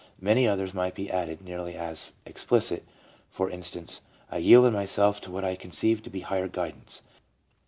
Many others might be added nearly as explicit, for instance : "I yielded myself to what I conceived to be Higher Guidance.